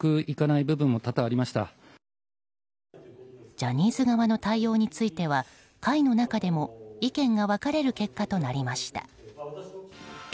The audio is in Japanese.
ジャニーズ側の対応については会の中でも意見が分かれる結果となりました。